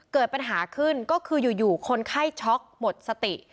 เกิดปัญหาขึ้นก็คืออยู่คนไข้ช็อกหมดสติ